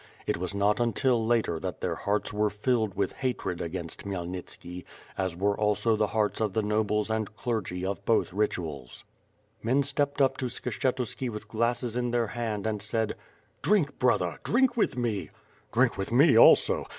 It was not until later that 24 WITH FIRE AND SWORD. their hearts were filled with hatred against Khmyelnitski, as were also the hearts of the nobles and clergy of both rituals. Men stepped up to Skshetuski with glasses in their hand and said: "Drink, brother! Drink with me/^ "Drink with me also?"